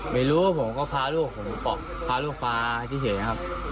ไม่รู้อะผมก็พาลูกผมตัวพาลูกฟาที่เสียนะครับ